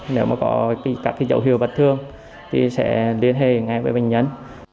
nếu có các dấu hiệu vật thương thì sẽ liên hệ ngay với bệnh nhân